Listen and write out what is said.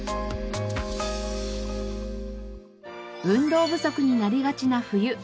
運動不足になりがちな冬。